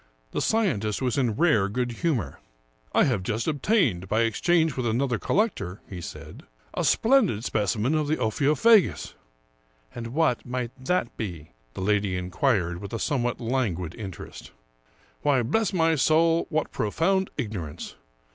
The sci entist was in rare good humor. " I have just obtained, by exchange with another col lector," he saidj " a splendid specimen of the Ophiophagus." " And what may that be ?" the lady inquired with a somewhat languid interest. "Why, bless my soul, what profound ignorance!